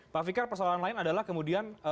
pak fikar persoalan lain adalah kemudian